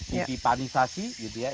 ditipanisasi gitu ya